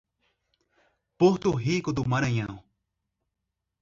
Porto Rico do Maranhão